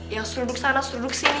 yang suruduk sana suruduk sini